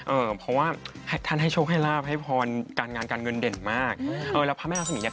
เออเพราะว่าท่านให้โชคให้ลาบให้พรการงานการเงินเด่นมากเออแล้วพระแม่รักษมีเนี่ย